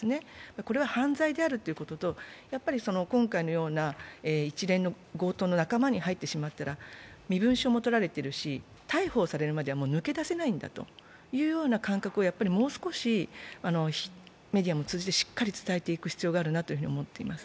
これは犯罪であるということと、やっぱり今回ような一連の強盗の仲間に入ってしまったら身分証もとられてるし、逮捕されるまで抜け出せないんだという感覚をもう少しメディアも通じてしっかり伝えていく必要があるなと考えています。